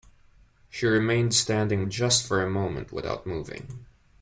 She remained standing just for a moment without moving.